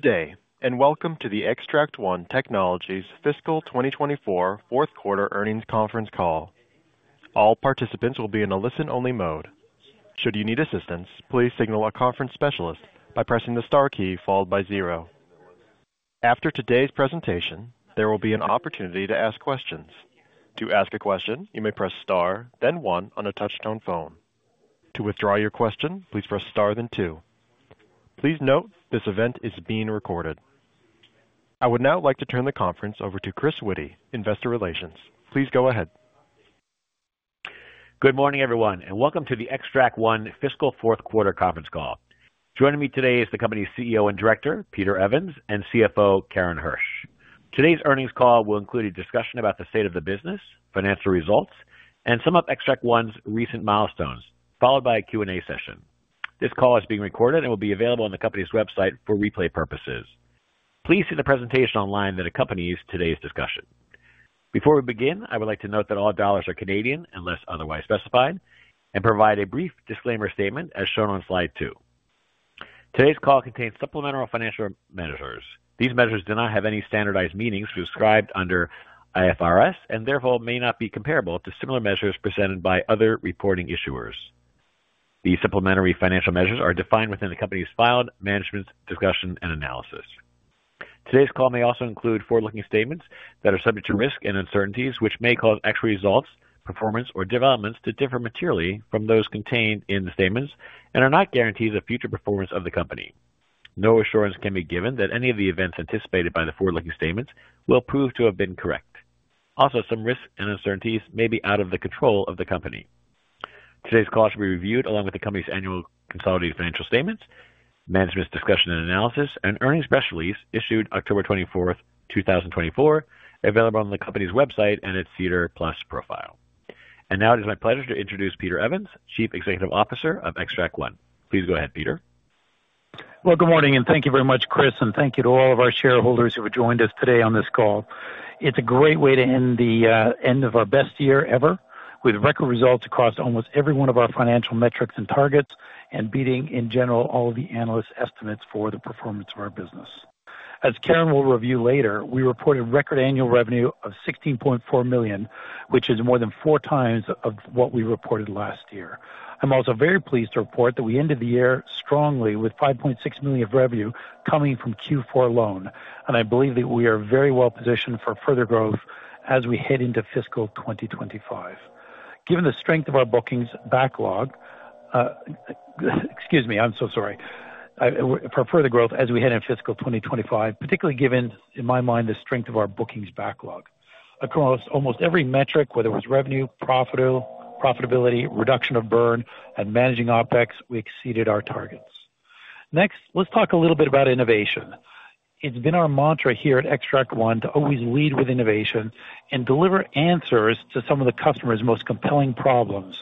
Good day, and welcome to the Xtract One Technologies Fiscal 2024 Fourth Quarter Earnings Conference Call. All participants will be in a listen-only mode. Should you need assistance, please signal a conference specialist by pressing the star key followed by zero. After today's presentation, there will be an opportunity to ask questions. To ask a question, you may press star, then one on a touch-tone phone. To withdraw your question, please press star, then two. Please note, this event is being recorded. I would now like to turn the conference over to Chris Witty, Investor Relations. Please go ahead. Good morning, everyone, and welcome to the Xtract One fiscal fourth quarter conference call. Joining me today is the company's CEO and Director, Peter Evans, and CFO, Karen Hersh. Today's earnings call will include a discussion about the state of the business, financial results, and some of Xtract One's recent milestones, followed by a Q&A session. This call is being recorded and will be available on the company's website for replay purposes. Please see the presentation online that accompanies today's discussion. Before we begin, I would like to note that all dollars are Canadian unless otherwise specified, and provide a brief disclaimer statement as shown on slide two. Today's call contains supplemental financial measures. These measures do not have any standardized meanings prescribed under IFRS and therefore may not be comparable to similar measures presented by other reporting issuers. These supplementary financial measures are defined within the company's filed management's discussion and analysis. Today's call may also include forward-looking statements that are subject to risk and uncertainties, which may cause actual results, performance, or developments to differ materially from those contained in the statements and are not guarantees of future performance of the company. No assurance can be given that any of the events anticipated by the forward-looking statements will prove to have been correct. Also, some risks and uncertainties may be out of the control of the company. Today's call should be reviewed along with the company's annual consolidated financial statements, management's discussion and analysis, and earnings press release issued October 24, 2024, available on the company's website and its SEDAR+ profile. And now it is my pleasure to introduce Peter Evans, Chief Executive Officer of Xtract One. Please go ahead, Peter. Well, good morning, and thank you very much, Chris, and thank you to all of our shareholders who have joined us today on this call. It's a great way to end the end of our best year ever, with record results across almost every one of our financial metrics and targets, and beating, in general, all the analyst estimates for the performance of our business. As Karen will review later, we reported record annual revenue of 16.4 million, which is more than four times of what we reported last year. I'm also very pleased to report that we ended the year strongly, with 5.6 million of revenue coming from Q4 alone, and I believe that we are very well- positioned for further growth as we head into fiscal 2025. Given the strength of our bookings backlog... excuse me, I'm so sorry. For further growth as we head in fiscal 2025, particularly given, in my mind, the strength of our bookings backlog. Across almost every metric, whether it was revenue, profitability, reduction of burn, and managing OpEx, we exceeded our targets. Next, let's talk a little bit about innovation. It's been our mantra here at Xtract One to always lead with innovation and deliver answers to some of the customers' most compelling problems.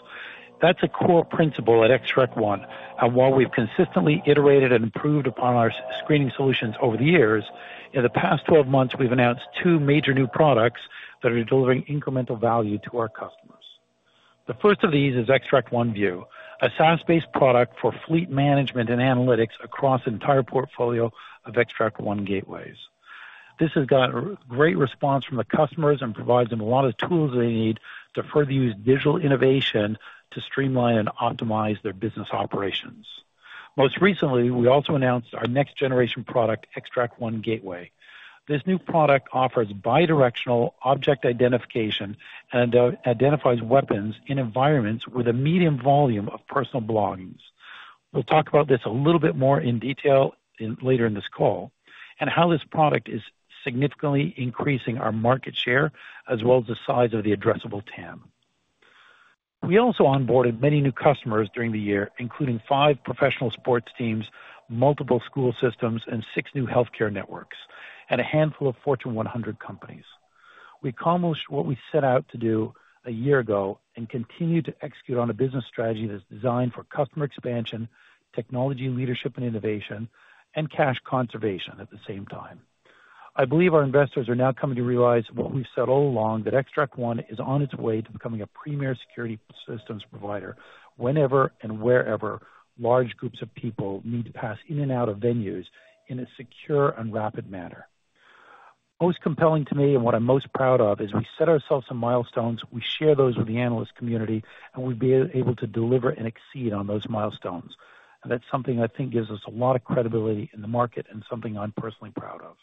That's a core principle at Xtract One, and while we've consistently iterated and improved upon our screening solutions over the years, in the past twelve months, we've announced two major new products that are delivering incremental value to our customers. The first of these is Xtract One View, a SaaS-based product for fleet management and analytics across the entire portfolio of Xtract One Gateways. This has got great response from the customers and provides them a lot of tools they need to further use digital innovation to streamline and optimize their business operations. Most recently, we also announced our next-generation product, Xtract One Gateway. This new product offers bidirectional object identification and identifies weapons in environments with a medium volume of personal belongings. We'll talk about this a little bit more in detail later in this call, and how this product is significantly increasing our market share, as well as the size of the addressable TAM. We also onboarded many new customers during the year, including five professional sports teams, multiple school systems, and six new healthcare networks, and a handful of Fortune 100 companies. We accomplished what we set out to do a year ago and continue to execute on a business strategy that's designed for customer expansion, technology, leadership, and innovation, and cash conservation at the same time. I believe our investors are now coming to realize what we've said all along, that Xtract One is on its way to becoming a premier security systems provider whenever and wherever large groups of people need to pass in and out of venues in a secure and rapid manner. Most compelling to me, and what I'm most proud of, is we set ourselves some milestones, we share those with the analyst community, and we've been able to deliver and exceed on those milestones, and that's something I think gives us a lot of credibility in the market and something I'm personally proud of.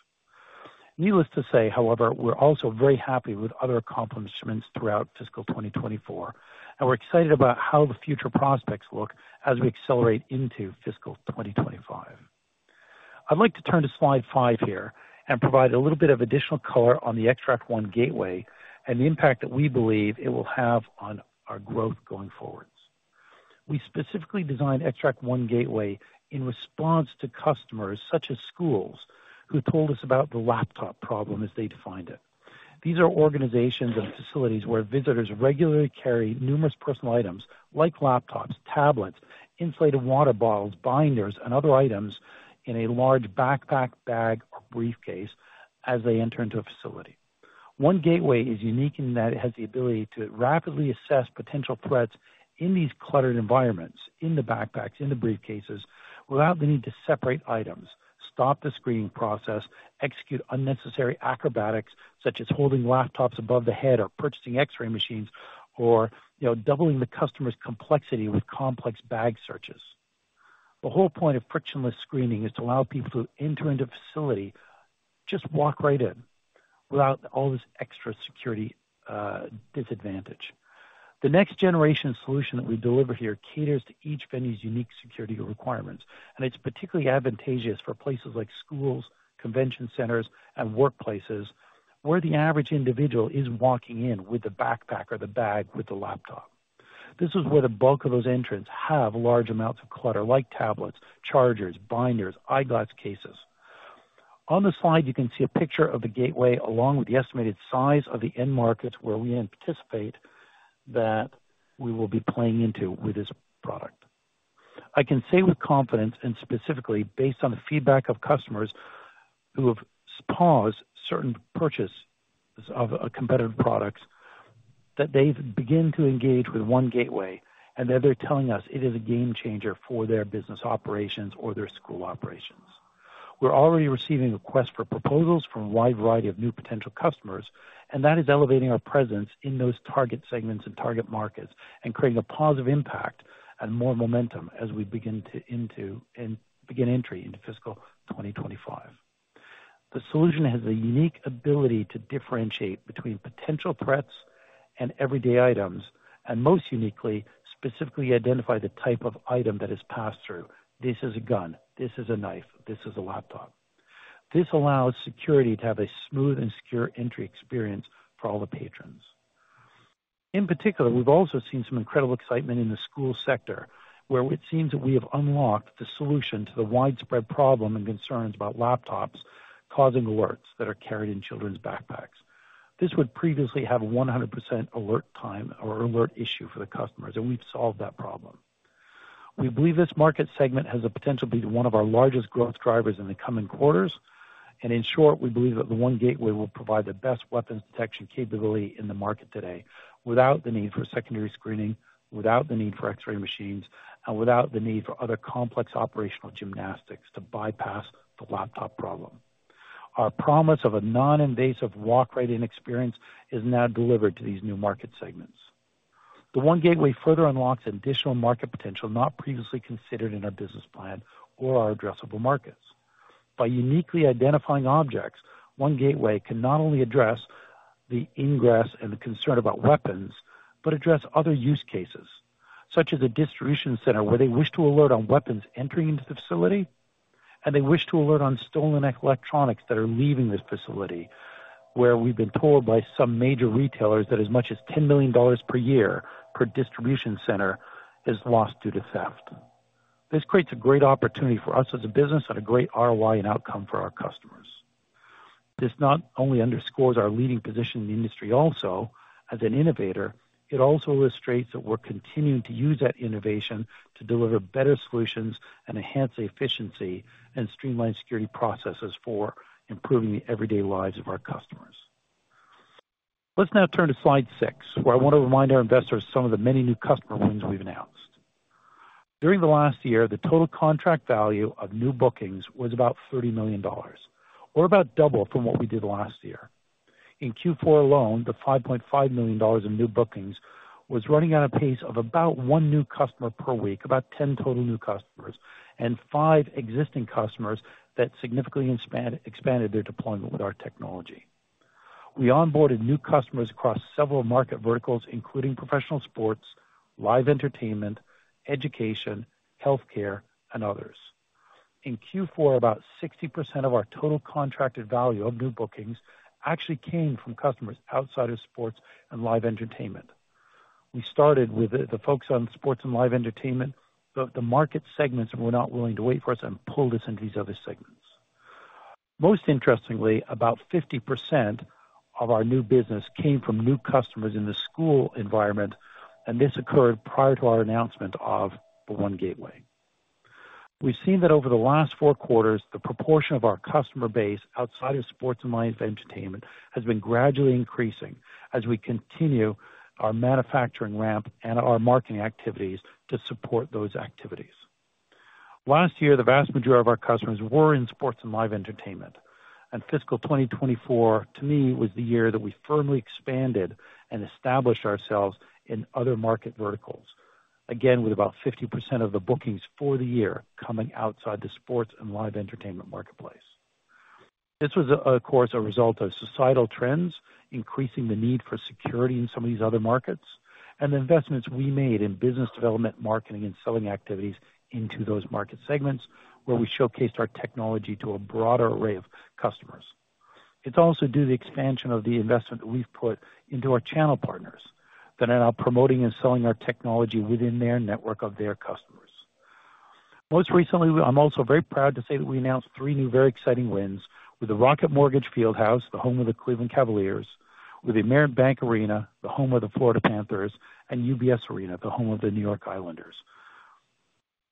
Needless to say, however, we're also very happy with other accomplishments throughout fiscal 2024, and we're excited about how the future prospects look as we accelerate into fiscal 2025. I'd like to turn to slide five here and provide a little bit of additional color on the Xtract One Gateway and the impact that we believe it will have on our growth going forward. We specifically designed Xtract One Gateway in response to customers, such as schools, who told us about the laptop problem as they defined it. These are organizations and facilities where visitors regularly carry numerous personal items like laptops, tablets, inflated water bottles, binders, and other items in a large backpack, bag, or briefcase as they enter into a facility. One Gateway is unique in that it has the ability to rapidly assess potential threats in these cluttered environments, in the backpacks, in the briefcases, without the need to separate items, stop the screening process, execute unnecessary acrobatics, such as holding laptops above the head or purchasing X-ray machines or, you know, doubling the customer's complexity with complex bag searches. The whole point of frictionless screening is to allow people to enter into facility, just walk right in without all this extra security, disadvantage. The next-generation solution that we deliver here caters to each venue's unique security requirements, and it's particularly advantageous for places like schools, convention centers, and workplaces, where the average individual is walking in with a backpack or the bag with a laptop. This is where the bulk of those entrants have large amounts of clutter, like tablets, chargers, binders, eyeglass cases. On the slide, you can see a picture of the gateway, along with the estimated size of the end markets, where we anticipate that we will be playing into with this product. I can say with confidence, and specifically based on the feedback of customers who have paused certain purchases of competitive products, that they've begun to engage with One Gateway, and that they're telling us it is a game-changer for their business operations or their school operations. We're already receiving requests for proposals from a wide variety of new potential customers, and that is elevating our presence in those target segments and target markets and creating a positive impact and more momentum as we begin entry into fiscal 2025. The solution has a unique ability to differentiate between potential threats and everyday items, and most uniquely, specifically identify the type of item that is passed through. This is a gun, this is a knife, this is a laptop. This allows security to have a smooth and secure entry experience for all the patrons. In particular, we've also seen some incredible excitement in the school sector, where it seems that we have unlocked the solution to the widespread problem and concerns about laptops causing alerts that are carried in children's backpacks. This would previously have a 100% alert time or alert issue for the customers, and we've solved that problem. We believe this market segment has the potential to be one of our largest growth drivers in the coming quarters. In short, we believe that the One Gateway will provide the best weapons detection capability in the market today without the need for secondary screening, without the need for X-ray machines, and without the need for other complex operational gymnastics to bypass the laptop problem. Our promise of a non-invasive walk-right in experience is now delivered to these new market segments. The One Gateway further unlocks additional market potential, not previously considered in our business plan or our addressable markets. By uniquely identifying objects, One Gateway can not only address the ingress and the concern about weapons, but address other use cases, such as a distribution center where they wish to alert on weapons entering into the facility, and they wish to alert on stolen electronics that are leaving this facility, where we've been told by some major retailers that as much as $10 million per year, per distribution center is lost due to theft. This creates a great opportunity for us as a business and a great ROI and outcome for our customers. This not only underscores our leading position in the industry also as an innovator, it also illustrates that we're continuing to use that innovation to deliver better solutions and enhance the efficiency and streamline security processes for improving the everyday lives of our customers. Let's now turn to slide six, where I want to remind our investors some of the many new customer wins we've announced. During the last year, the total contract value of new bookings was about 30 million dollars, or about double from what we did last year. In Q4 alone, the 5.5 million dollars in new bookings was running at a pace of about one new customer per week, about 10 total new customers, and five existing customers that significantly expanded their deployment with our technology. We onboarded new customers across several market verticals, including professional sports, live entertainment, education, healthcare, and others. In Q4, about 60% of our total contracted value of new bookings actually came from customers outside of sports and live entertainment. We started with the folks on sports and live entertainment. The market segments were not willing to wait for us and pulled us into these other segments. Most interestingly, about 50% of our new business came from new customers in the school environment, and this occurred prior to our announcement of the One Gateway. We've seen that over the last four quarters, the proportion of our customer base outside of sports and live entertainment has been gradually increasing as we continue our manufacturing ramp and our marketing activities to support those activities. Last year, the vast majority of our customers were in sports and live entertainment, and fiscal 2024, to me, was the year that we firmly expanded and established ourselves in other market verticals. Again, with about 50% of the bookings for the year coming outside the sports and live entertainment marketplace. This was, of course, a result of societal trends, increasing the need for security in some of these other markets, and the investments we made in business development, marketing, and selling activities into those market segments, where we showcased our technology to a broader array of customers. It's also due to the expansion of the investment that we've put into our channel partners that are now promoting and selling our technology within their network of their customers. Most recently, I'm also very proud to say that we announced three new very exciting wins with the Rocket Mortgage FieldHouse, the home of the Cleveland Cavaliers, with the Amerant Bank Arena, the home of the Florida Panthers, and UBS Arena, the home of the New York Islanders.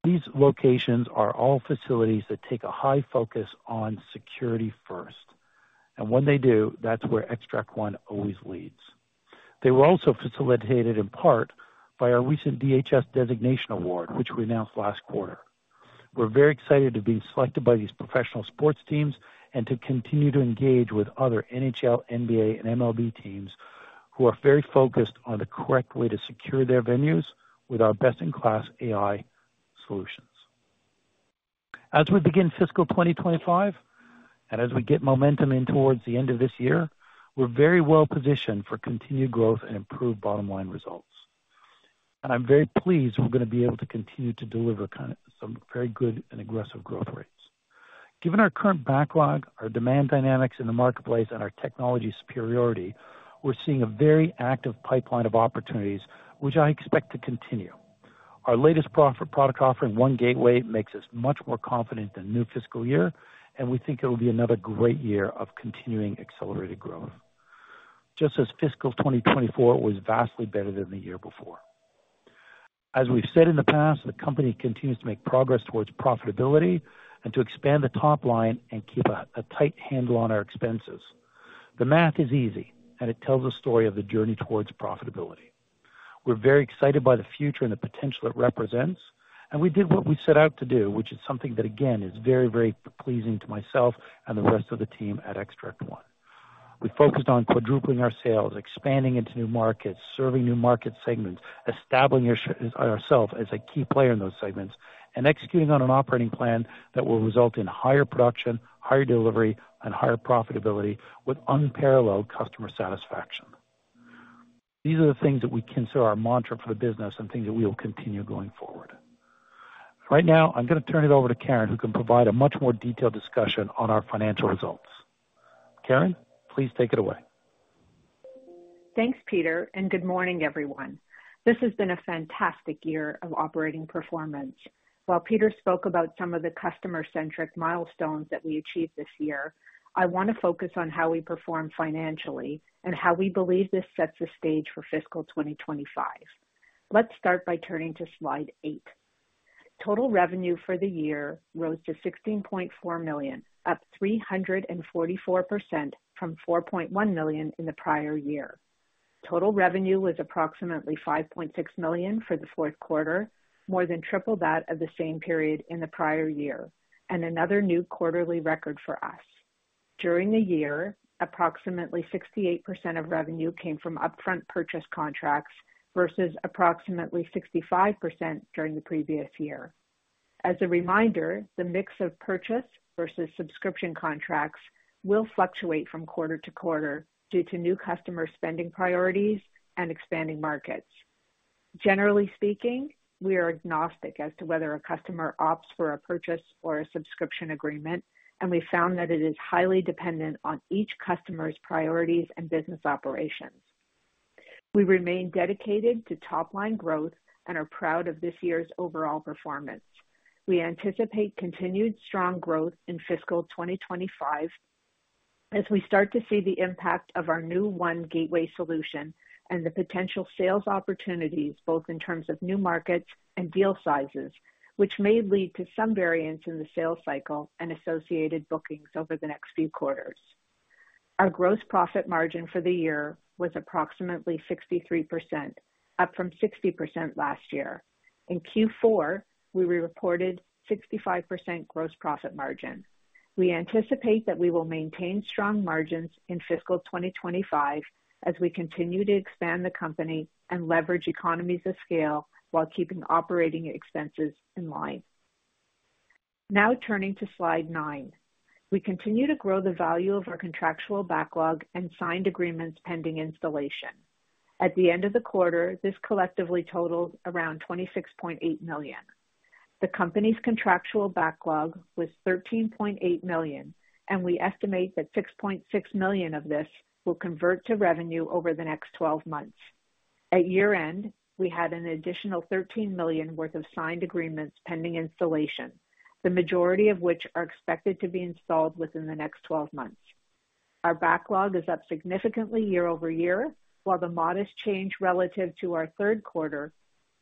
These locations are all facilities that take a high focus on security first, and when they do, that's where Xtract One always leads. They were also facilitated in part by our recent DHS designation award, which we announced last quarter. We're very excited to be selected by these professional sports teams and to continue to engage with other NHL, NBA, and MLB teams who are very focused on the correct way to secure their venues with our best-in-class AI solutions. As we begin fiscal 2025, and as we get momentum in towards the end of this year, we're very well positioned for continued growth and improved bottom-line results. And I'm very pleased we're going to be able to continue to deliver kind of some very good and aggressive growth rates. Given our current backlog, our demand dynamics in the marketplace, and our technology superiority, we're seeing a very active pipeline of opportunities, which I expect to continue. Our latest product offering, One Gateway, makes us much more confident in new fiscal year, and we think it will be another great year of continuing accelerated growth. Just as fiscal 2024 was vastly better than the year before. As we've said in the past, the company continues to make progress towards profitability and to expand the top line and keep a tight handle on our expenses. The math is easy, and it tells a story of the journey towards profitability. We're very excited by the future and the potential it represents, and we did what we set out to do, which is something that, again, is very, very pleasing to myself and the rest of the team at Xtract One. We focused on quadrupling our sales, expanding into new markets, serving new market segments, establishing ourselves as a key player in those segments, and executing on an operating plan that will result in higher production, higher delivery, and higher profitability with unparalleled customer satisfaction. These are the things that we consider our mantra for the business and things that we will continue going forward. Right now, I'm going to turn it over to Karen, who can provide a much more detailed discussion on our financial results. Karen, please take it away. Thanks, Peter, and good morning, everyone. This has been a fantastic year of operating performance. While Peter spoke about some of the customer-centric milestones that we achieved this year, I want to focus on how we performed financially and how we believe this sets the stage for fiscal 2025. Let's start by turning to slide eight. Total revenue for the year rose to 16.4 million, up 344% from 4.1 million in the prior year. Total revenue was approximately 5.6 million for the fourth quarter, more than triple that of the same period in the prior year, and another new quarterly record for us. During the year, approximately 68% of revenue came from upfront purchase contracts versus approximately 65% during the previous year. As a reminder, the mix of purchase versus subscription contracts will fluctuate from quarter- to-quarter due to new customer spending priorities and expanding markets. Generally speaking, we are agnostic as to whether a customer opts for a purchase or a subscription agreement, and we found that it is highly dependent on each customer's priorities and business operations. We remain dedicated to top-line growth and are proud of this year's overall performance. We anticipate continued strong growth in fiscal 2025 as we start to see the impact of our new One Gateway solution and the potential sales opportunities, both in terms of new markets and deal sizes, which may lead to some variance in the sales cycle and associated bookings over the next few quarters. Our gross profit margin for the year was approximately 63%, up from 60% last year. In Q4, we reported 65% gross profit margin. We anticipate that we will maintain strong margins in fiscal 2025 as we continue to expand the company and leverage economies of scale while keeping operating expenses in line. Now turning to slide nine. We continue to grow the value of our contractual backlog and signed agreements pending installation. At the end of the quarter, this collectively totaled around 26.8 million. The company's contractual backlog was 13.8 million, and we estimate that 6.6 million of this will convert to revenue over the next 12 months. At year-end, we had an additional 13 million worth of signed agreements pending installation, the majority of which are expected to be installed within the next 12 months. Our backlog is up significantly year-over-year, while the modest change relative to our third quarter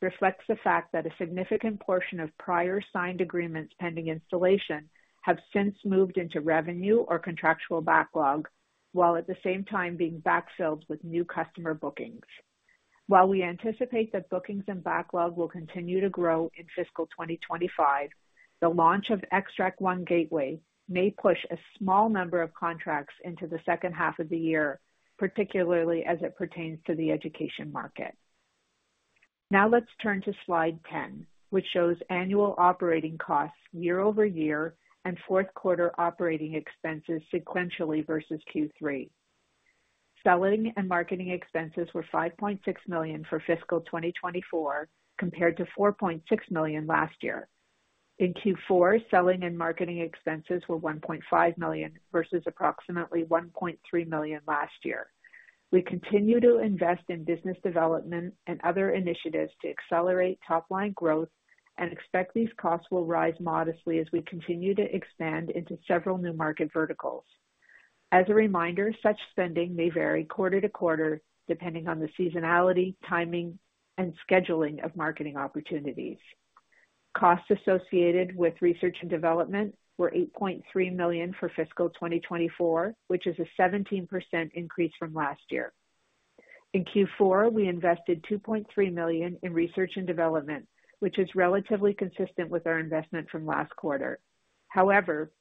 reflects the fact that a significant portion of prior signed agreements pending installation have since moved into revenue or contractual backlog, while at the same time being backfilled with new customer bookings. While we anticipate that bookings and backlog will continue to grow in fiscal 2025, the launch of Xtract One Gateway may push a small number of contracts into the second half of the year, particularly as it pertains to the education market. Now let's turn to slide 10, which shows annual operating costs year-over- year and fourth quarter operating expenses sequentially versus Q3. Selling and marketing expenses were 5.6 million for fiscal 2024, compared to 4.6 million last year. In Q4, selling and marketing expenses were 1.5 million versus approximately 1.3 million last year. We continue to invest in business development and other initiatives to accelerate top-line growth and expect these costs will rise modestly as we continue to expand into several new market verticals. As a reminder, such spending may vary quarter-to- quarter, depending on the seasonality, timing, and scheduling of marketing opportunities. Costs associated with research and development were 8.3 million for fiscal 2024, which is a 17% increase from last year. In Q4, we invested 2.3 million in research and development, which is relatively consistent with our investment from last quarter. However,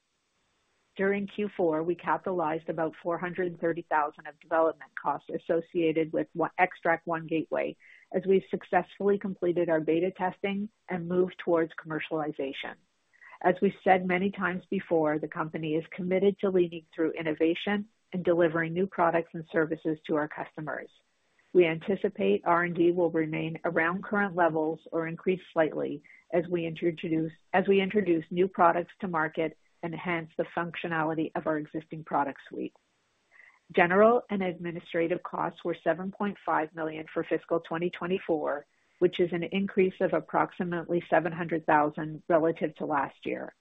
during Q4, we capitalized about 430,000 of development costs associated with Xtract One Gateway as we successfully completed our beta testing and moved towards commercialization. As we said many times before, the company is committed to leading through innovation and delivering new products and services to our customers. We anticipate R&D will remain around current levels or increase slightly as we introduce, as we introduce new products to market and enhance the functionality of our existing product suite. General and administrative costs were 7.5 million for fiscal 2024, which is an increase of approximately 700,000 relative to last year.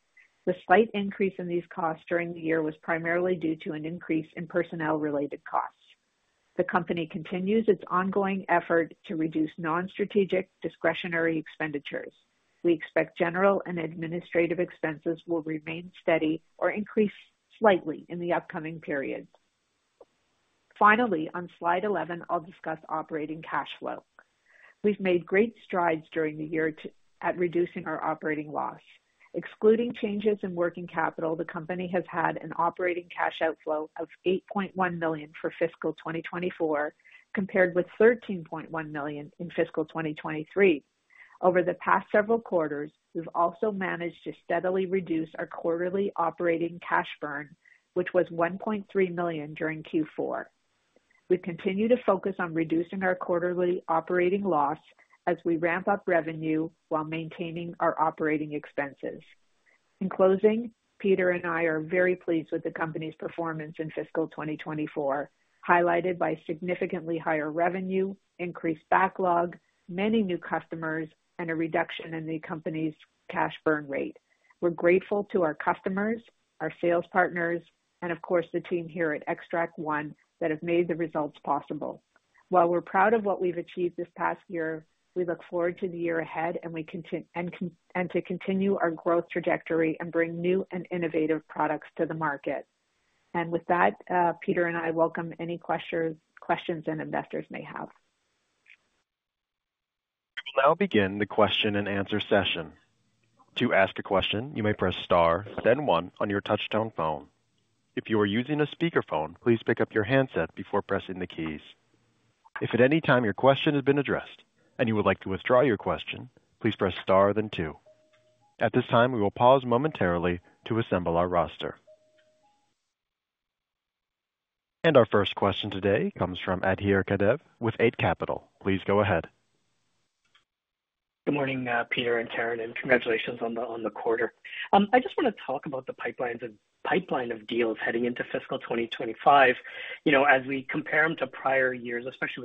The slight increase in these costs during the year was primarily due to an increase in personnel-related costs. The company continues its ongoing effort to reduce non-strategic discretionary expenditures. We expect general and administrative expenses will remain steady or increase slightly in the upcoming period. Finally, on slide 11, I'll discuss operating cash flow. We've made great strides during the year to at reducing our operating loss. Excluding changes in working capital, the company has had an operating cash outflow of 8.1 million for fiscal 2024, compared with 13.1 million in fiscal 2023. Over the past several quarters, we've also managed to steadily reduce our quarterly operating cash burn, which was 1.3 million during Q4. We continue to focus on reducing our quarterly operating loss as we ramp up revenue while maintaining our operating expenses. In closing, Peter and I are very pleased with the company's performance in fiscal 2024, highlighted by significantly higher revenue, increased backlog, many new customers, and a reduction in the company's cash burn rate. We're grateful to our customers, our sales partners, and of course, the team here at Xtract One that have made the results possible. While we're proud of what we've achieved this past year, we look forward to the year ahead and we continue our growth trajectory and bring new and innovative products to the market. And with that, Peter and I welcome any questions any investors may have. We'll now begin the question-and-answer session. To ask a question, you may press star then one on your touchtone phone. If you are using a speakerphone, please pick up your handset before pressing the keys. If at any time your question has been addressed and you would like to withdraw your question, please press star then two. At this time, we will pause momentarily to assemble our roster. And our first question today comes from Adhir Kadve with Eight Capital. Please go ahead. Good morning, Peter and Karen, and congratulations on the quarter. I just want to talk about the pipeline of deals heading into fiscal 2025. You know, as we compare them to prior years, especially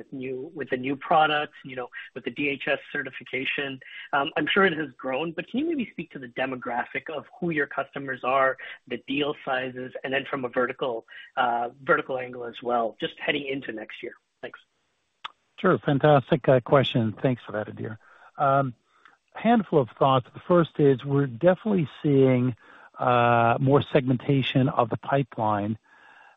with the new products with the DHS certification, I'm sure it has grown, but can you maybe speak to the demographic of who your customers are, the deal sizes, and then from a vertical angle as well, just heading into next year? Thanks. Sure. Fantastic question. Thanks for that, Adhir. Handful of thoughts. The first is we're definitely seeing more segmentation of the pipeline,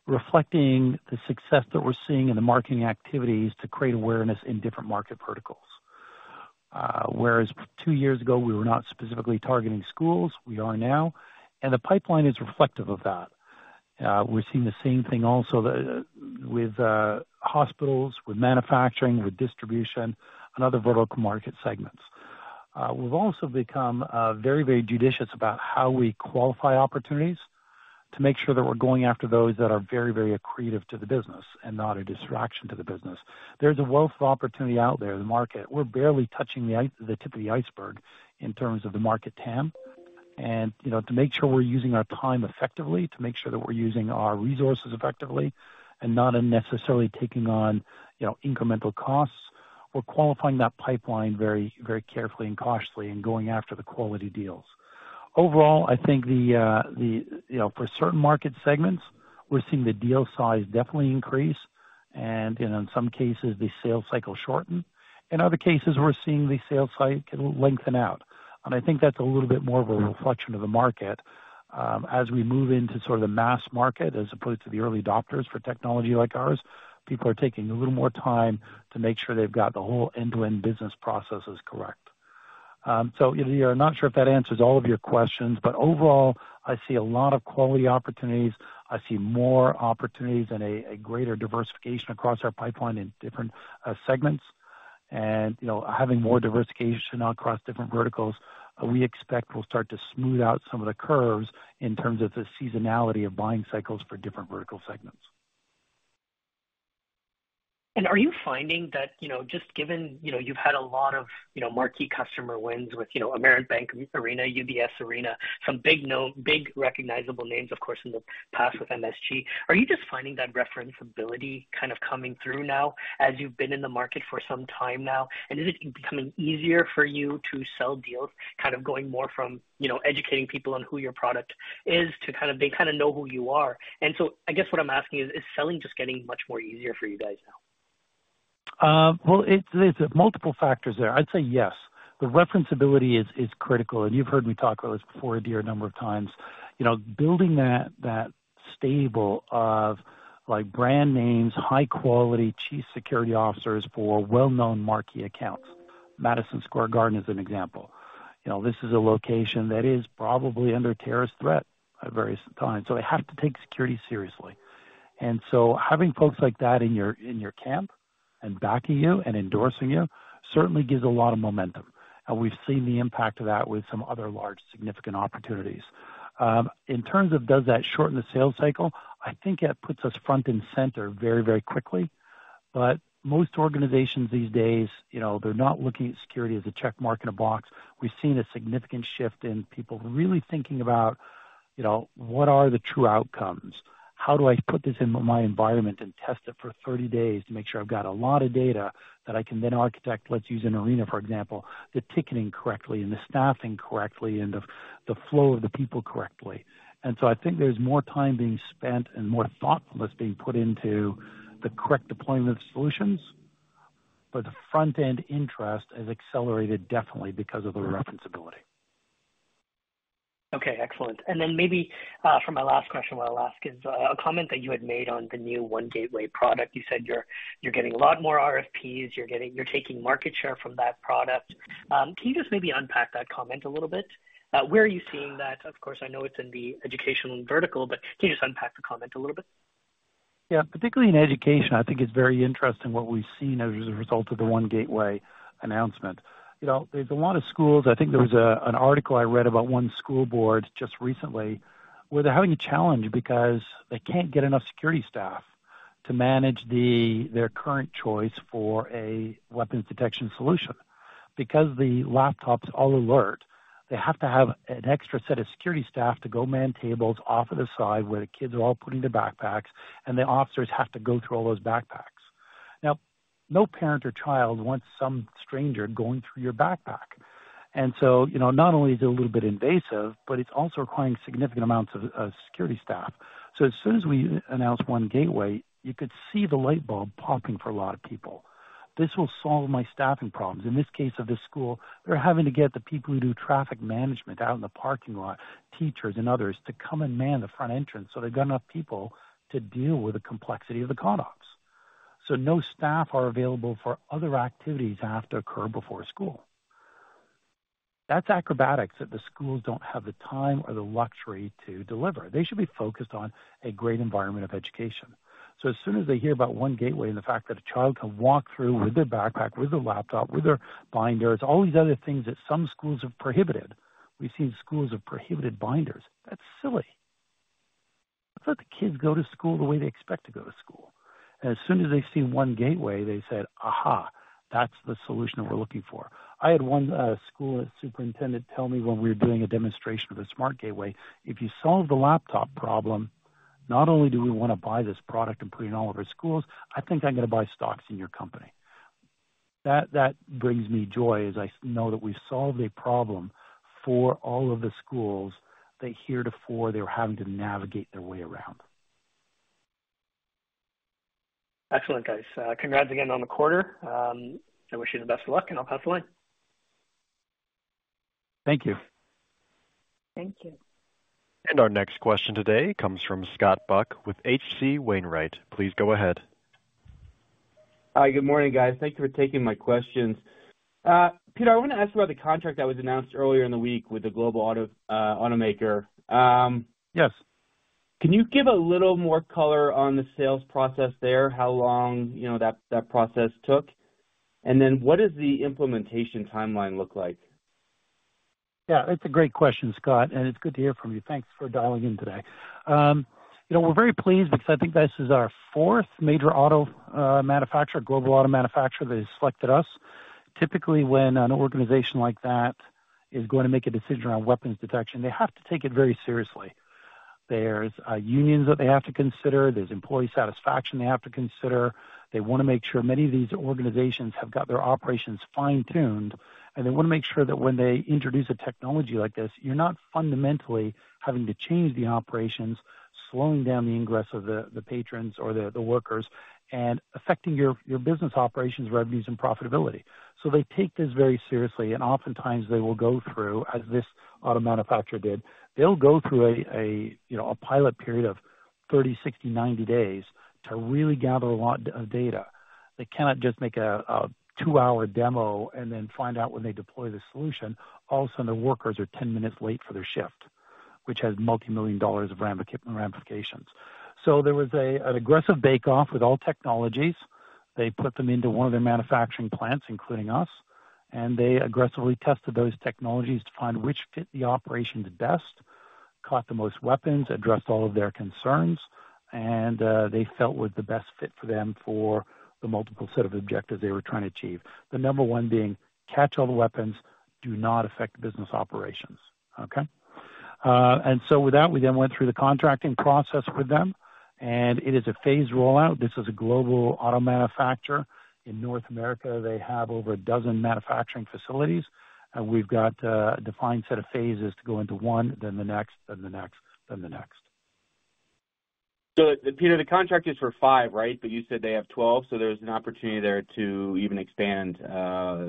reflecting the success that we're seeing in the marketing activities to create awareness in different market verticals. Whereas two years ago, we were not specifically targeting schools, we are now, and the pipeline is reflective of that. We're seeing the same thing also with hospitals, with manufacturing, with distribution, and other vertical market segments. We've also become very, very judicious about how we qualify opportunities to make sure that we're going after those that are very, very accretive to the business and not a distraction to the business. There's a wealth of opportunity out there in the market. We're barely touching the tip of the iceberg in terms of the market TAM. And, you know, to make sure we're using our time effectively, to make sure that we're using our resources effectively and not unnecessarily taking on, you know, incremental costs, we're qualifying that pipeline very, very carefully and cautiously and going after the quality deals. Overall, I think the, you know, for certain market segments, we're seeing the deal size definitely increase, and in some cases, the sales cycle shorten. In other cases, we're seeing the sales cycle lengthen out. And I think that's a little bit more of a reflection of the market. As we move into sort of the mass market, as opposed to the early adopters for technology like ours, people are taking a little more time to make sure they've got the whole end-to-end business processes correct. Adhir, I'm not sure if that answers all of your questions, but overall, I see a lot of quality opportunities. I see more opportunities and a greater diversification across our pipeline in different segments. You know, having more diversification across different verticals, we expect will start to smooth out some of the curves in terms of the seasonality of buying cycles for different vertical segments. And are you finding that just given, you've had a lot of, you know, marquee customer wins with, you know, Amerant Bank Arena, UBS Arena, some big name, big recognizable names, of course, in the past with MSG, are you just finding that referability kind of coming through now, as you've been in the market for some time now? And is it becoming easier for you to sell deals, kind of going more from, educating people on who your product is to kind of, they kind of know who you are? And so I guess what I'm asking is, is selling just getting much more easier for you guys now? Well, there's multiple factors there. I'd say yes, the referenceability is critical, and you've heard me talk about this before, Adhir, a number of times. You know, building that stable of like brand names, high quality chief security officers for well-known marquee accounts. Madison Square Garden is an example. You know, this is a location that is probably under terrorist threat at various times, so they have to take security seriously. And so having folks like that in your camp and backing you and endorsing you certainly gives a lot of momentum, and we've seen the impact of that with some other large, significant opportunities. In terms of does that shorten the sales cycle? I think it puts us front and center very, very quickly. But most organizations these days, you know, they're not looking at security as a check mark in a box. We've seen a significant shift in people really thinking about, what are the true outcomes? How do I put this in my environment and test it for 30 days to make sure I've got a lot of data that I can then architect, let's use an arena, for example, the ticketing correctly and the staffing correctly and the flow of the people correctly. And so I think there's more time being spent and more thoughtfulness being put into the correct deployment of solutions. But the front-end interest has accelerated definitely because of the referenceability. Okay, excellent. And then maybe for my last question, what I'll ask is a comment that you had made on the new One Gateway product. You said you're getting a lot more RFPs. You're getting. You're taking market share from that product. Can you just maybe unpack that comment a little bit? Where are you seeing that? Of course, I know it's in the educational vertical, but can you just unpack the comment a little bit? Yeah, particularly in education, I think it's very interesting what we've seen as a result of the One Gateway announcement. You know, there's a lot of schools. I think there was an article I read about one school board just recently, where they're having a challenge because they can't get enough security staff to manage their current choice for a weapons detection solution. Because the laptops all alert, they have to have an extra set of security staff to go man tables off to the side, where the kids are all putting their backpacks, and the officers have to go through all those backpacks. Now, no parent or child wants some stranger going through your backpack. And so, you know, not only is it a little bit invasive, but it's also requiring significant amounts of security staff. So as soon as we announced One Gateway, you could see the light bulb popping for a lot of people. This will solve my staffing problems. In this case of this school, they're having to get the people who do traffic management out in the parking lot, teachers and others, to come and man the front entrance, so they've got enough people to deal with the complexity of the ConOps. So no staff are available for other activities that have to occur before school. That's acrobatics that the schools don't have the time or the luxury to deliver. They should be focused on a great environment of education. So as soon as they hear about One Gateway and the fact that a child can walk through with their backpack, with their laptop, with their binders, all these other things that some schools have prohibited. We've seen schools have prohibited binders. That's silly. Let the kids go to school the way they expect to go to school. As soon as they see One Gateway, they said, "Aha, that's the solution we're looking for." I had one school superintendent tell me when we were doing a demonstration of a SmartGateway: "If you solve the laptop problem, not only do we want to buy this product and put it in all of our schools, I think I'm going to buy stocks in your company." That brings me joy, as I know that we solved a problem for all of the schools that heretofore they were having to navigate their way around. Excellent, guys. Congrats again on the quarter. I wish you the best of luck, and I'll pass the line. Thank you. Thank you. Our next question today comes from Scott Buck with H.C. Wainwright. Please go ahead. Hi, good morning, guys. Thank you for taking my questions. Peter, I want to ask you about the contract that was announced earlier in the week with the global auto, automaker. Yes. Can you give a little more color on the sales process there? How long that process took? And then what does the implementation timeline look like? Yeah, that's a great question, Scott, and it's good to hear from you. Thanks for dialing in today. You know, we're very pleased because I think this is our fourth major auto-manufacturer, global auto manufacturer that has selected us. Typically, when an organization like that is going to make a decision around weapons detection, they have to take it very seriously. There's unions that they have to consider. There's employee satisfaction they have to consider. They want to make sure many of these organizations have got their operations fine-tuned, and they want to make sure that when they introduce a technology like this, you're not fundamentally having to change the operations, slowing down the ingress of the patrons or the workers, and affecting your business operations, revenues, and profitability. So they take this very seriously, and oftentimes they will go through, as this auto manufacturer did, they'll go through you know a pilot period of 30, 60, 90 days to really gather a lot of data. They cannot just make a 2-hour demo and then find out when they deploy the solution. All of a sudden, their workers are 10 minutes late for their shift, which has multimillion dollars of ramifications. So there was an aggressive bake-off with all technologies. They put them into one of their manufacturing plants, including us, and they aggressively tested those technologies to find which fit the operation the best, caught the most weapons, addressed all of their concerns, and they felt was the best fit for them for the multiple set of objectives they were trying to achieve. The number one being: catch all the weapons, do not affect business operations. Okay? And so with that, we then went through the contracting process with them, and it is a phased rollout. This is a global auto manufacturer. In North America, they have over a dozen manufacturing facilities, and we've got a defined set of phases to go into one, then the next, then the next, then the next. So, Peter, the contract is for five, right? But you said they have 12, so there's an opportunity there to even expand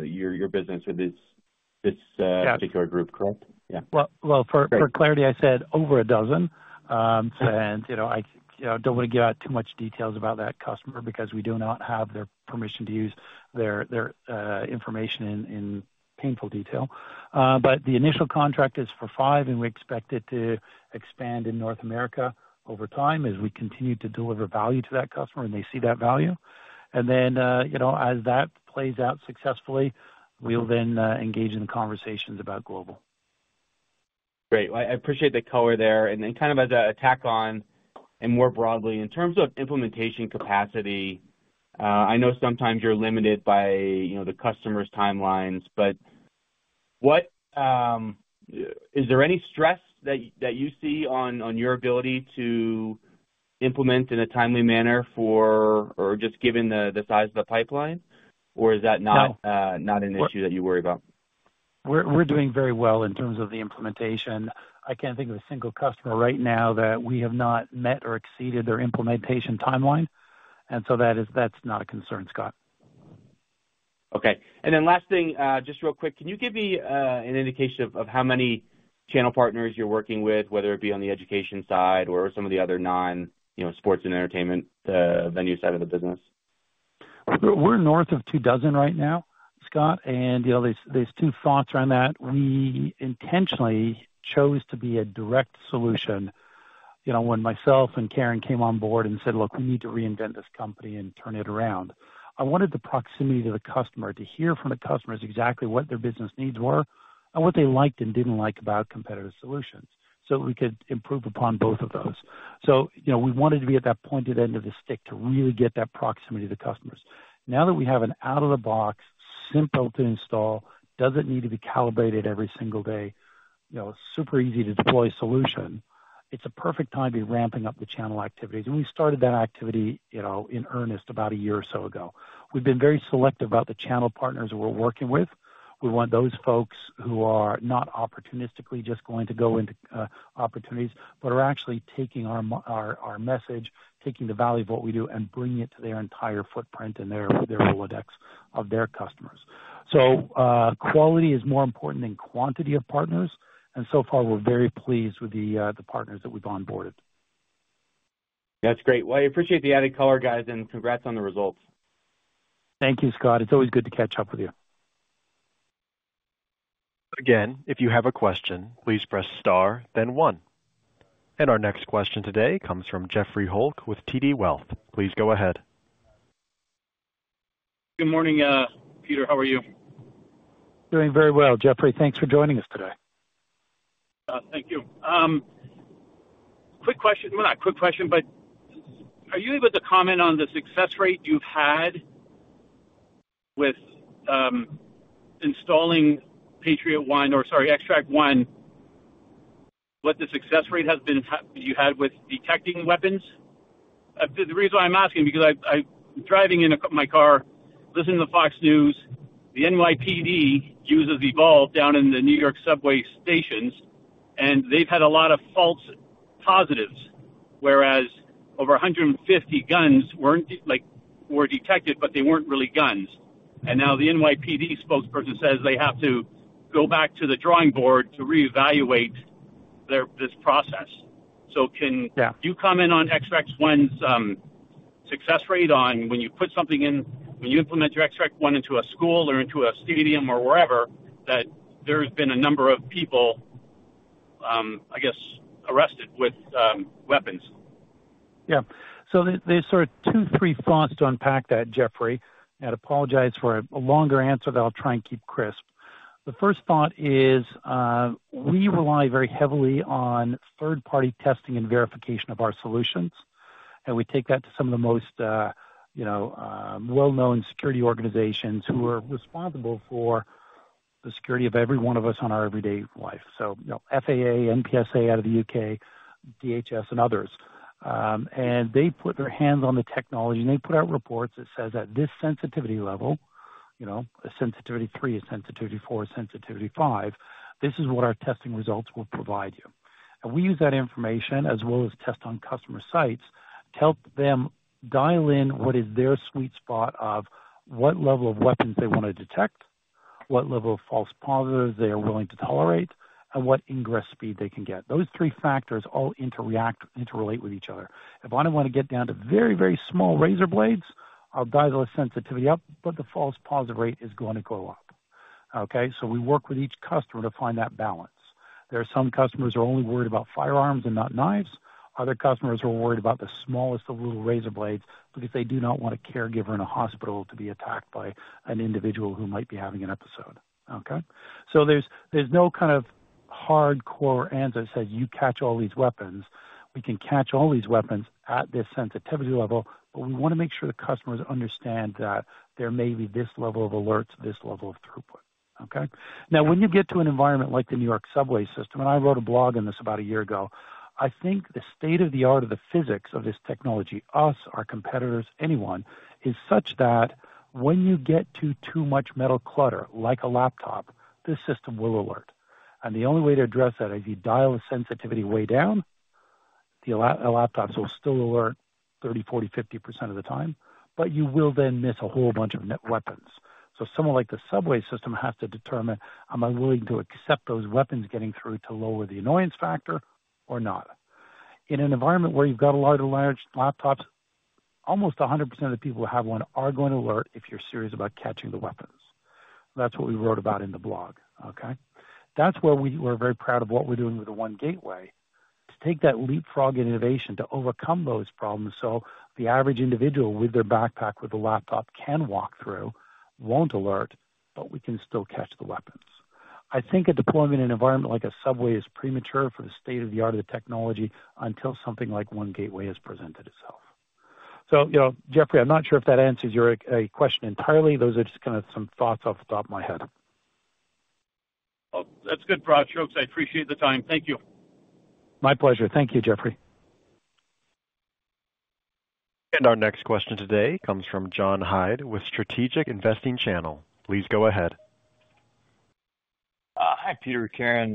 your business with this particular group, correct? Yeah. For clarity, I said over a dozen. You know, I, you know, don't want to give out too much details about that customer because we do not have their permission to use their information in painful detail, but the initial contract is for five, and we expect it to expand in North America over time as we continue to deliver value to that customer, and they see that value, and then you know, as that plays out successfully, we'll then engage in conversations about global. Great. Well, I appreciate the color there. And then kind of as a tack on, and more broadly, in terms of implementation capacity, I know sometimes you're limited by, the customer's timelines, but what is there any stress that you see on your ability to implement in a timely manner for, or just given the size of the pipeline? Or is that not an issue that you worry about? We're doing very well in terms of the implementation. I can't think of a single customer right now that we have not met or exceeded their implementation timeline, and so that's not a concern, Scott. Okay. And then last thing, just real quick, can you give me an indication of how many channel partners you're working with, whether it be on the education side or some of the other non, you know, sports and entertainment venue side of the business? We're north of two dozen right now, Scott, and, you know, there's two thoughts around that. We intentionally chose to be a direct solution. You know, when myself and Karen came on board and said, "Look, we need to reinvent this company and turn it around," I wanted the proximity to the customer to hear from the customers exactly what their business needs were and what they liked and didn't like about competitive solutions, so we could improve upon both of those. So, you know, we wanted to be at that pointed end of the stick to really get that proximity to the customers. Now that we have an out-of-the-box, simple-to-install, doesn't need to be calibrated every single day, you know, super easy-to-deploy solution, it's a perfect time to be ramping up the channel activities, and we started that activity, you know, in earnest about a year or so ago. We've been very selective about the channel partners we're working with. We want those folks who are not opportunistically just going to go into opportunities, but are actually taking our message, taking the value of what we do, and bringing it to their entire footprint and their Rolodex of their customers. So, quality is more important than quantity of partners, and so far, we're very pleased with the partners that we've onboarded. That's great. Well, I appreciate the added color, guys, and congrats on the results. Thank you, Scott. It's always good to catch up with you. Again, if you have a question, please press star, then one. And our next question today comes from Jeffrey Holk with TD Wealth. Please go ahead. Good morning, Peter. How are you? Doing very well, Jeffrey. Thanks for joining us today. Thank you. Quick question. Well, not a quick question, but are you able to comment on the success rate you've had with installing Patriot One or, sorry, Xtract One, what the success rate has been you had with detecting weapons? The reason why I'm asking, because I'm driving in my car, listening to Fox News. The NYPD uses Evolv down in the New York subway stations, and they've had a lot of false positives, whereas over 150 guns weren't, like, were detected, but they weren't really guns. And now the NYPD spokesperson says they have to go back to the drawing board to reevaluate their this process. So can- Yeah. You comment on Xtract One's success rate on when you put something in, when you implement your Xtract One into a school or into a stadium or wherever, that there's been a number of people, I guess, arrested with weapons? Yeah. So there's sort of two, three thoughts to unpack that, Jeffrey. I'd apologize for a longer answer, but I'll try and keep crisp. The first thought is, we rely very heavily on third-party testing and verification of our solutions, and we take that to some of the most, you know, well-known security organizations who are responsible for the security of every one of us on our everyday life. So, you know, FAA, NPSA out of the UK, DHS and others. And they put their hands on the technology, and they put out reports that says, at this sensitivity level, you know, a sensitivity three, a sensitivity four, a sensitivity five, this is what our testing results will provide you. We use that information as well as test on customer sites to help them dial in what is their sweet spot of what level of weapons they want to detect, what level of false positives they are willing to tolerate, and what ingress speed they can get. Those three factors all interact, interrelate with each other. If I want to get down to very, very small razor blades, I'll dial the sensitivity up, but the false positive rate is going to go up. Okay, so we work with each customer to find that balance. There are some customers who are only worried about firearms and not knives. Other customers are worried about the smallest of little razor blades because they do not want a caregiver in a hospital to be attacked by an individual who might be having an episode. Okay? There's no kind of hardcore answer that says, "You catch all these weapons." We can catch all these weapons at this sensitivity level, but we want to make sure the customers understand that there may be this level of alerts, this level of throughput. Okay? Now, when you get to an environment like the New York subway system, and I wrote a blog on this about a year ago, I think the state-of-the-art of the physics of this technology, us, our competitors, anyone, is such that when you get to too much metal clutter, like a laptop, this system will alert, and the only way to address that is you dial the sensitivity way down. The laptops will still alert 30%, 40%, 50% of the time, but you will then miss a whole bunch of net weapons. So someone like the subway system has to determine, am I willing to accept those weapons getting through to lower the annoyance factor or not? In an environment where you've got a lot of large laptops, almost 100% of the people who have one are going to alert if you're serious about catching the weapons. That's what we wrote about in the blog, okay? That's where we were very proud of what we're doing with the One Gateway, to take that leapfrog innovation to overcome those problems. So the average individual with their backpack, with a laptop, can walk through, won't alert, but we can still catch the weapons. I think a deployment in an environment like a subway is premature for the state-of-the-art of the technology until something like One Gateway has presented itself. So, you know, Jeffrey, I'm not sure if that answers your question entirely. Those are just kind of some thoughts off the top of my head. That's good, folks. I appreciate the time. Thank you. My pleasure. Thank you, Jeffrey. And our next question today comes from John Hyde with Strategic Investing Channel. Please go ahead. Hi, Peter, Karen.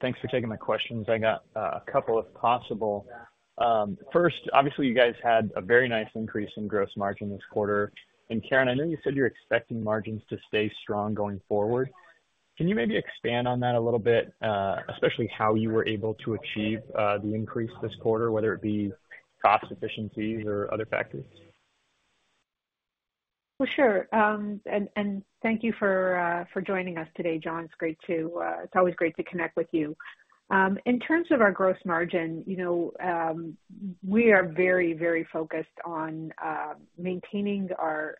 Thanks for taking my questions. I got a couple, if possible. First, obviously, you guys had a very nice increase in gross margin this quarter. And, Karen, I know you said you're expecting margins to stay strong going forward. Can you maybe expand on that a little bit, especially how you were able to achieve the increase this quarter, whether it be cost efficiencies or other factors? Sure. And thank you for joining us today, John. It's great to, it's always great to connect with you. In terms of our gross margin, you know, we are very, very focused on maintaining our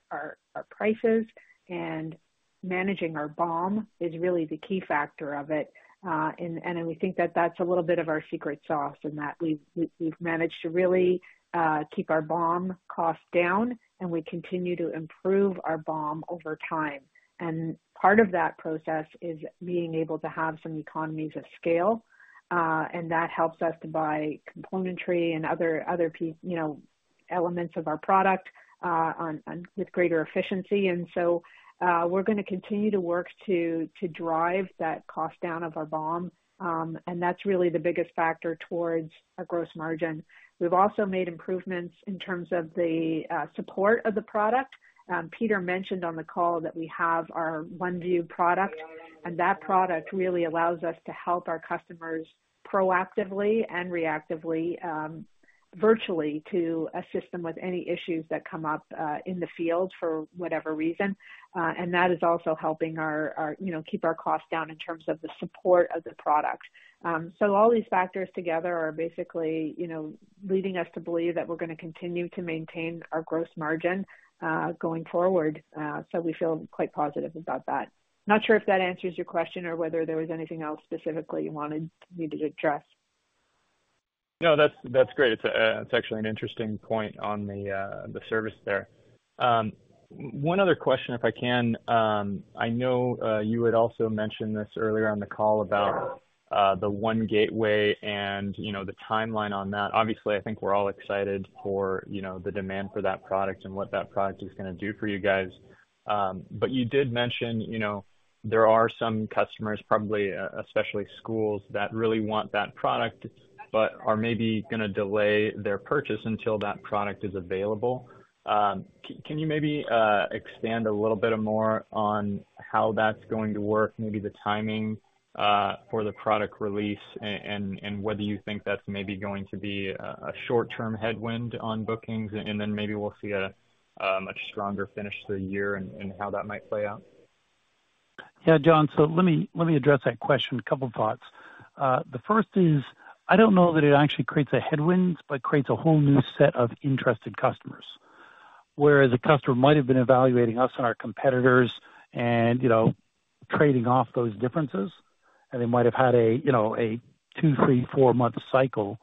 prices and managing our BOM is really the key factor of it. And we think that that's a little bit of our secret sauce, and that we've managed to really keep our BOM costs down, and we continue to improve our BOM over time. And part of that process is being able to have some economies of scale, and that helps us to buy componentry and other you know, elements of our product, on and with greater efficiency. And so, we're going to continue to work to drive that cost down of our BOM. And that's really the biggest factor towards our gross margin. We've also made improvements in terms of the support of the product. Peter mentioned on the call that we have our One View product, and that product really allows us to help our customers proactively and reactively virtually to assist them with any issues that come up in the field for whatever reason. And that is also helping our you know keep our costs down in terms of the support of the product. So all these factors together are basically you know leading us to believe that we're going to continue to maintain our gross margin going forward. So we feel quite positive about that. Not sure if that answers your question or whether there was anything else specifically you wanted me to address. No, that's great. It's actually an interesting point on the service there. One other question, if I can. I know you had also mentioned this earlier on the call about the One Gateway and, you know, the timeline on that. Obviously, I think we're all excited for, you know, the demand for that product and what that product is going to do for you guys, but you did mention, you know, there are some customers, probably, especially schools, that really want that product, but are maybe going to delay their purchase until that product is available. Can you maybe expand a little bit more on how that's going to work, maybe the timing for the product release and whether you think that's maybe going to be a short-term headwind on bookings, and then maybe we'll see a much stronger finish to the year and how that might play out? Yeah, John, so let me, let me address that question. A couple thoughts. The first is, I don't know that it actually creates a headwind, but creates a whole new set of interested customers, where the customer might have been evaluating us and our competitors and, you know, trading off those differences. And they might have had a two, three, four-month cycle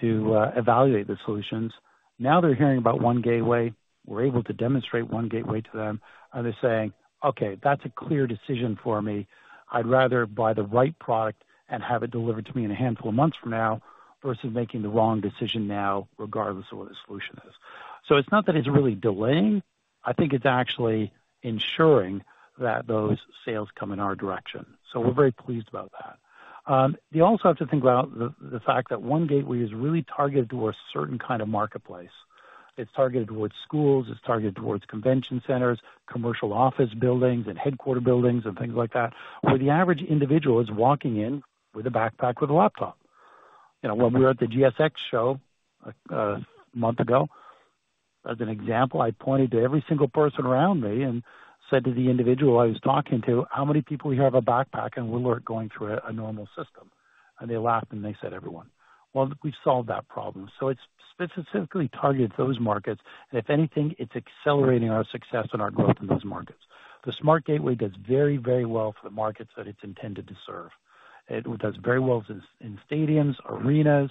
to evaluate the solutions. Now, they're hearing about One Gateway, we're able to demonstrate One Gateway to them, and they're saying, "Okay, that's a clear decision for me. I'd rather buy the right product and have it delivered to me in a handful of months from now, versus making the wrong decision now, regardless of what the solution is." So it's not that it's really delaying. I think it's actually ensuring that those sales come in our direction. So we're very pleased about that. You also have to think about the fact that One Gateway is really targeted towards a certain kind of marketplace. It's targeted towards schools, it's targeted towards convention centers, commercial office buildings and headquarters buildings and things like that, where the average individual is walking in with a backpack, with a laptop. You know, when we were at the GSX show, a month ago, as an example, I pointed to every single person around me and said to the individual I was talking to, "How many people here have a backpack and we're going through a normal system?" And they laughed, and they said, "Everyone." Well, we've solved that problem. So it's specifically targeted those markets. And if anything, it's accelerating our success and our growth in those markets. The SmartGateway does very, very well for the markets that it's intended to serve. It does very well in stadiums, arenas.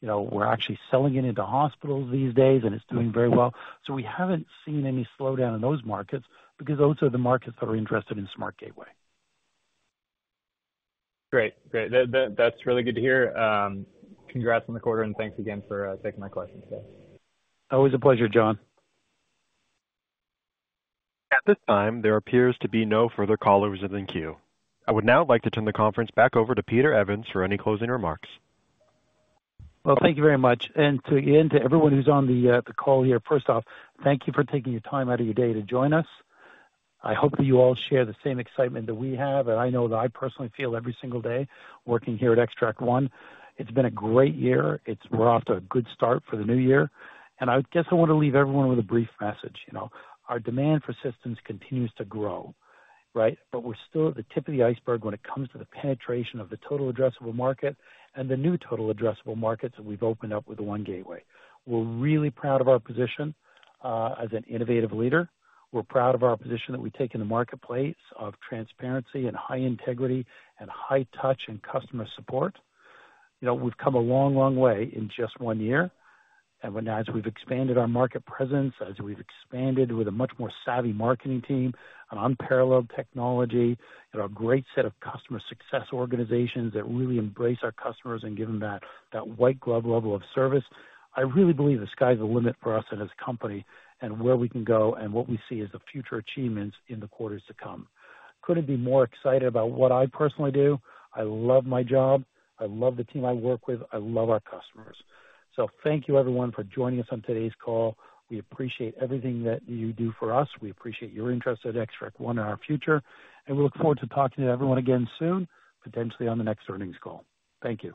You know, we're actually selling it into hospitals these days, and it's doing very well, so we haven't seen any slowdown in those markets because those are the markets that are interested in SmartGateway. Great. Great. That's really good to hear. Congrats on the quarter, and thanks again for taking my questions today. Always a pleasure, John. At this time, there appears to be no further callers in the queue. I would now like to turn the conference back over to Peter Evans for any closing remarks. Thank you very much. Again, to everyone who's on the call here, first off, thank you for taking the time out of your day to join us. I hope that you all share the same excitement that we have, and I know that I personally feel every single day working here at Xtract One. It's been a great year. We're off to a good start for the new year, and I guess I want to leave everyone with a brief message. You know, our demand for systems continues to grow, right? But we're still at the tip of the iceberg when it comes to the penetration of the total addressable market and the new total addressable markets that we've opened up with the One Gateway. We're really proud of our position as an innovative leader. We're proud of our position that we take in the marketplace of transparency, and high integrity and high touch and customer support. You know, we've come a long, long way in just one year, and as we've expanded our market presence, as we've expanded with a much more savvy marketing team, an unparalleled technology, and a great set of customer success organizations that really embrace our customers and give them that, that white-glove level of service, I really believe the sky's the limit for us and this company and where we can go and what we see as the future achievements in the quarters to come. Couldn't be more excited about what I personally do. I love my job. I love the team I work with. I love our customers, so thank you, everyone, for joining us on today's call. We appreciate everything that you do for us. We appreciate your interest at Xtract One and our future, and we look forward to talking to everyone again soon, potentially on the next earnings call. Thank you.